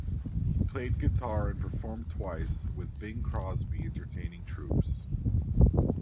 He played guitar and performed twice with Bing Crosby entertaining troops.